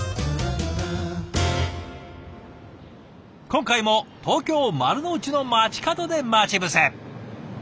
今回も東京・丸の内の街角で待ち伏せ。